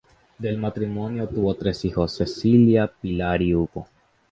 Del matrimonio tuvo tres hijos: Cecilia, Pilar y Hugo.